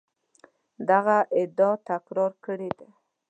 دغه ادعا تکرار کړې ده.